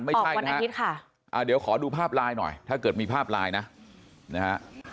ออกวันอาทิตย์ค่ะอ่าเดี๋ยวขอดูภาพไลน์หน่อยถ้าเกิดมีภาพไลน์นะนะฮะ